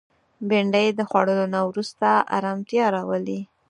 بېنډۍ د خوړلو نه وروسته ارامتیا راولي